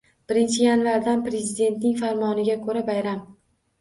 Birinchi yanvar dan Prezidentining farmoniga ko'ra bayram